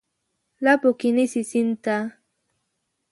لپو کې نیسي سیند ته،